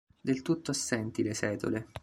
Del tutto assenti le setole.